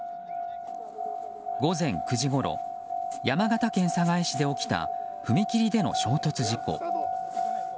午前９時ごろ山形県寒河江市で起きた踏切での衝突事故。